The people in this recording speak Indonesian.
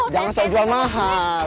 jangan sok jual mahal